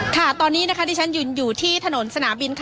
ค่ะตอนนี้นะคะที่ฉันอยู่ที่ถนนสนามบินค่ะ